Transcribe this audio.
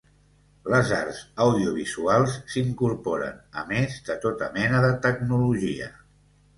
Les arts audiovisuals s'incorporen, a més de tota mena de tecnologia.